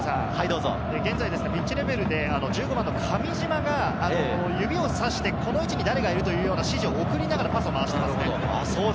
１５番の上島が指をさして、この位置に誰がいるという指示を送りながらパスを回しています。